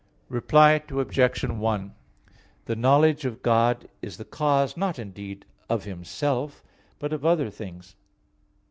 Reply Obj. 1: The knowledge of God is the cause, not indeed of Himself, but of other things.